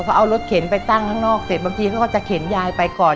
เขาเอารถเข็นไปตั้งข้างนอกเสร็จบางทีเขาก็จะเข็นยายไปก่อน